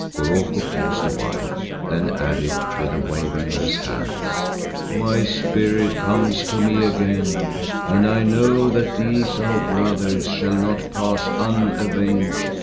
Goroko paused a while, then added with a waving of his hands, "My Spirit comes to me again and I know that these our brothers shall not pass unavenged.